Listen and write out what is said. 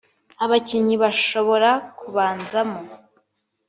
Abakinnyi bashobora kubanzamo